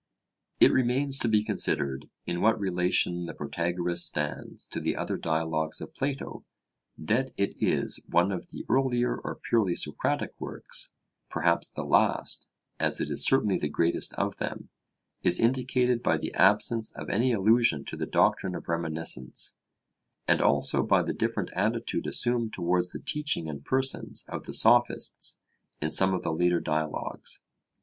It remains to be considered in what relation the Protagoras stands to the other Dialogues of Plato. That it is one of the earlier or purely Socratic works perhaps the last, as it is certainly the greatest of them is indicated by the absence of any allusion to the doctrine of reminiscence; and also by the different attitude assumed towards the teaching and persons of the Sophists in some of the later Dialogues.